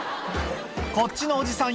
こっちのおじさん